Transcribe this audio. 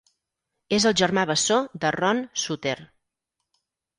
És el germà bessó de Ron Sutter.